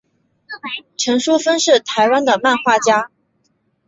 陈淑芬是台湾的漫画家。